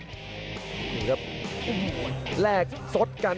นี่ครับแลกสดกัน